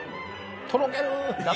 とろけるー。